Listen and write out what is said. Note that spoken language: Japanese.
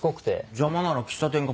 邪魔なら喫茶店か